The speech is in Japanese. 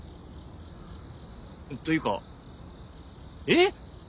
というかええっ！？